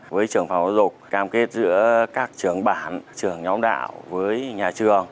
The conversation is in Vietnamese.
với trường phòng dục cam kết giữa các trường bản trường nhóm đạo với nhà trường